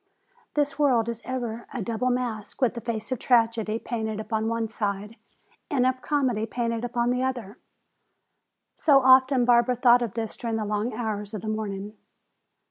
This world is ever a double mask with the face of tragedy painted upon one side and of comedy upon the other. So often Barbara thought of this during the long hours of the morning.